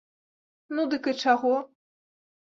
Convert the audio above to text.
Ну, дык і чаго?